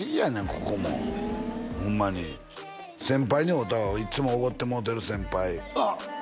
ここもホンマに先輩に会うたわいっつもおごってもろうてる先輩あっ！